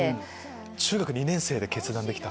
中学２年生で決断できた？